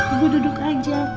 ibu duduk aja